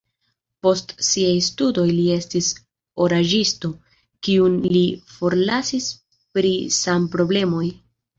Post siaj studoj li estis oraĵisto, kiun li forlasis pri sanproblemoj.